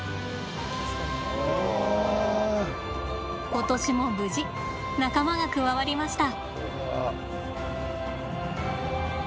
今年も無事、仲間が加わりました。